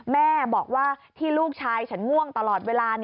แม่บอกว่าที่ลูกชายฉันง่วงตลอดเวลา